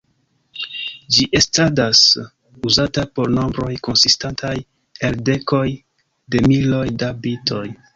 Ĝi estadas uzata por nombroj konsistantaj el dekoj da miloj da bitoj.